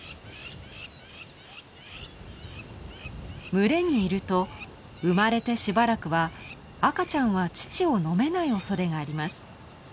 群れにいると生まれてしばらくは赤ちゃんは乳を飲めないおそれがあります。